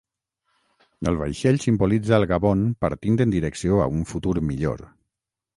El vaixell simbolitza el Gabon partint en direcció a un futur millor.